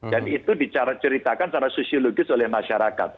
dan itu diceritakan secara sosiologis oleh masyarakat